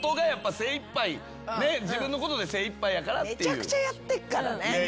めちゃくちゃやってっからね。